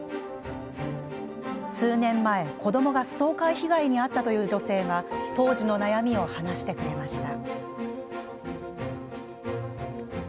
数年前、子どもがストーカー被害に遭ったという女性が当時の悩みを話してくれました。